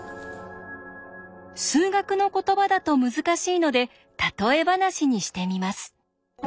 数学の言葉だと難しいので例え話にしてみます。